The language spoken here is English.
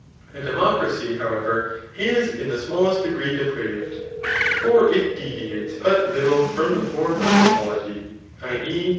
A democracy, hawever^ is in the smallest degree depraved ; for it deviates but litde :from the form of a polity, [i. e.